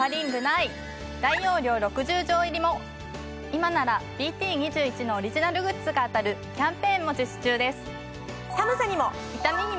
今ならＢＴ２１のオリジナルグッズが当たるキャンペーンも実施中です。